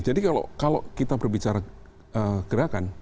jadi kalau kita berbicara gerakan